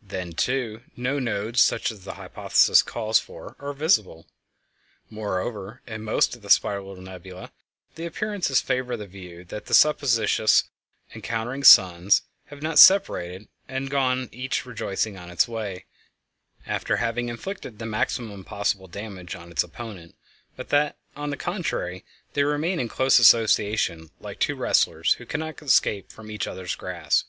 Then, too, no nodes such as the hypothesis calls for are visible. Moreover, in most of the spiral nebulæ the appearances favor the view that the supposititious encountering suns have not separated and gone each rejoicing on its way, after having inflicted the maximum possible damage on its opponent, but that, on the contrary, they remain in close association like two wrestlers who cannot escape from each other's grasp.